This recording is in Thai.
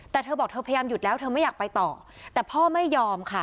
แต่เธอบอกเธอพยายามหยุดแล้วเธอไม่อยากไปต่อแต่พ่อไม่ยอมค่ะ